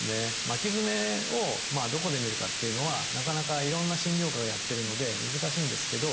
巻き爪をどこで診るかっていうのはなかなかいろんな診療科がやってるので難しいんですけど